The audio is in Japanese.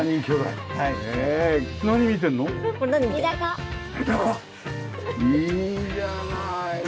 いいじゃない。